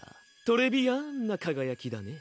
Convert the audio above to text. トレビアンなかがやきだね。